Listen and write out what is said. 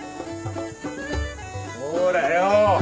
ほらよ。